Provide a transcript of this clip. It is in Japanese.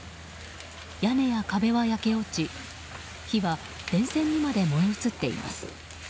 屋根や壁は焼け落ち火は電線にまで燃え移っています。